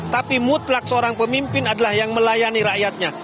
tapi mutlak seorang pemimpin adalah yang melayani rakyatnya